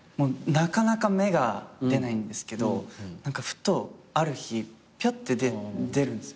なかなか芽が出ないんですけどふとある日ぴょって出るんですよ。